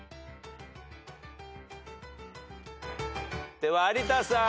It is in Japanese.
では有田さん。